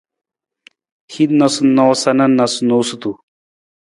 Hin noosanoosa na noosunonosutu.